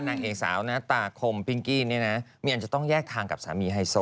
นางเอกสาวนะตาคมพิงกี้เนี่ยนะมีอันจะต้องแยกทางกับสามีไฮโซ